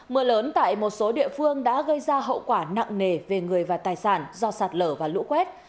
mưa lớn tại một số địa phương đã gây ra hậu quả nặng nề về người và tài sản do sạt lở và lũ quét